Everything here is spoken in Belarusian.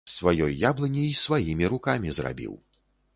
З сваёй яблыні й сваімі рукамі зрабіў.